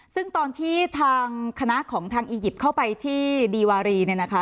ซึ่งตอนที่ทางคณะของทางอียิปต์เข้าไปที่ดีวารีเนี่ยนะคะ